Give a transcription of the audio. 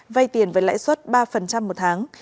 vay tiền với lãi suất ba một tháng